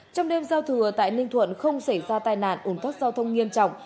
trong đêm giao thừa tại ninh thuận không xảy ra tai nạn ủng thoát giao thông nghiêm trọng